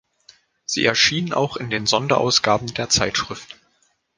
Sie erschien auch in den Sonderausgaben der Zeitschrift.